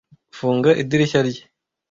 funga idirishya rye